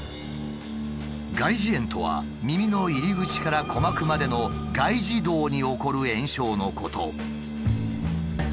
外耳炎とは耳の入り口から鼓膜までの外耳道に起こる炎症のこと。